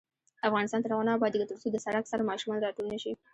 افغانستان تر هغو نه ابادیږي، ترڅو د سړک سر ماشومان راټول نشي.